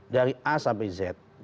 dari a sampai z